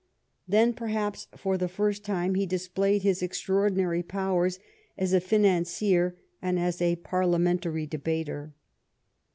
Then perhaps for the first time he dis played his extraordinary powers as a financier and as a Parliamentary debater.